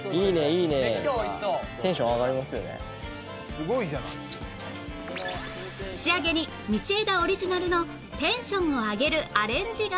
「すごいじゃない」仕上げに道枝オリジナルのテンションを上げるアレンジが